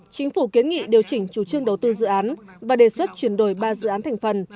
chính phủ kiến nghị điều chỉnh chủ trương đầu tư dự án và đề xuất chuyển đổi ba dự án thành phần